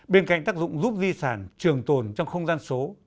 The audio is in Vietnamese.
bên cạnh tác dụng giúp di sản trường tồn trong không gian số